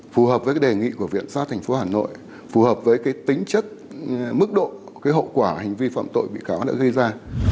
phù hợp với cái đề nghị của viện sát thành phố hà nội phù hợp với cái tính chất mức độ hậu quả hành vi phạm tội bị cáo đã gây ra